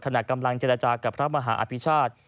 ขณะกำลังเจรจากับพระมหาอภิชาติ